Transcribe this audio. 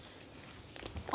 あ！